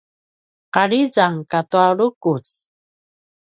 ’arizang katua lukuc